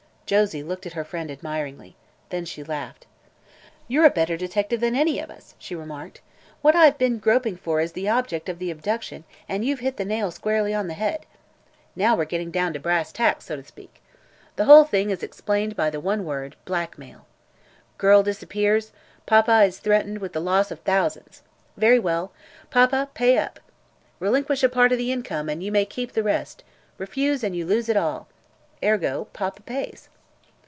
Josie looked at her friend admiringly. Then she laughed. "You're a better detective than any of us," she remarked. "What I've been groping for is the object of the abduction, and you've hit the nail squarely on the head. Now we're getting down to brass tacks, so to speak. The whole thing is explained by the one word 'blackmail.' Girl disappears; papa is threatened with the lose of thousands. Very well, Papa! pay up. Relinquish a part of the income and you may keep the rest. Refuse, and you lose it all. Ergo, papa pays."